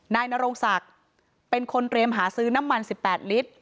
นายนโรงศักดิ์เป็นคนเตรียมหาซื้อน้ำมัน๑๘ลิตร